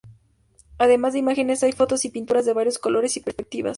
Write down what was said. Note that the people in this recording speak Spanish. Además de imágenes hay fotos y pinturas de varios colores y perspectivas.